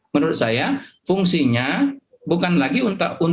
menurut saya fungsinya bukan lagi untuk